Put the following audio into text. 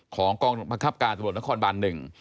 ของกองบังคับการตำรวจนครบานหนึ่ง